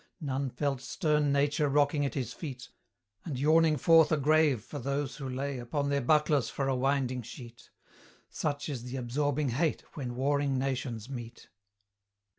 None felt stern Nature rocking at his feet, And yawning forth a grave for those who lay Upon their bucklers for a winding sheet; Such is the absorbing hate when warring nations meet.